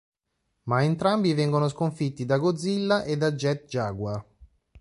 Ma entrambi vengono sconfitti da Godzilla e da Jet Jaguar.